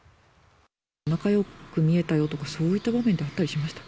仲よく見えたよとか、そういった場面とかってあったりしました？